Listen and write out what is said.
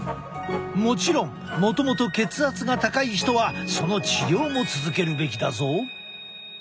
もちろんもともと血圧が高い人はその治療も続けるべきだぞ。